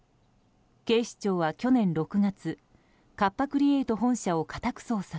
警視庁は去年６月カッパ・クリエイト本社を家宅捜索。